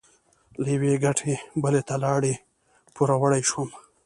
له یوې ګټې بلې ته لاړې؛ پوروړی شوم.